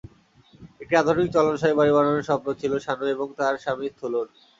একটি আধুনিক চলনসই বাড়ি বানানোর স্বপ্ন ছিল সানু এবং তাঁর স্বামী থুলোর।